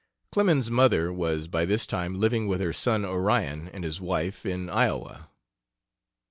Clemens's mother was by this time living with her son Onion and his wife, in Iowa.